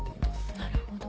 なるほど。